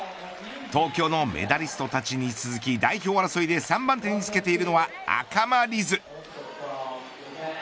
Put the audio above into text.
東京のメダリストたちに続き代表争いで３番手につけているのは赤間凛音。